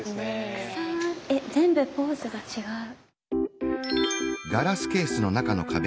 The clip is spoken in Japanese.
えっ全部ポーズが違う。